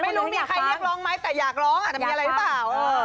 ไม่รู้มีใครเรียกร้องไหมแต่อยากร้องอาจจะมีอะไรหรือเปล่า